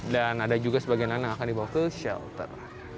dan ada juga sebagian yang akan dibawa ke shelter